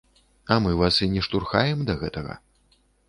А мы вас і не штурхаем да гэтага.